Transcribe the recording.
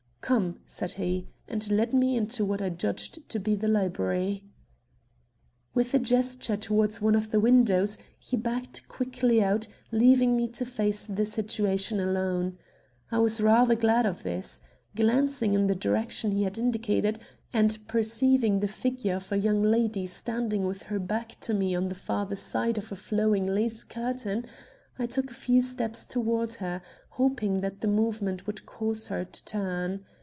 "Come," said he, and led me into what I judged to be the library. With a gesture toward one of the windows, he backed quickly out, leaving me to face the situation alone. I was rather glad of this. Glancing in the direction he had indicated, and perceiving the figure of a young lady standing with her back to me on the farther side of a flowing lace curtain, I took a few steps toward her, hoping that the movement would cause her to turn.